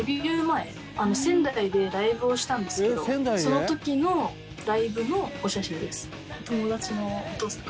前仙台でライブをしたんですけどその時のライブのお写真です。